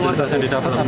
fasilitas yang di kapal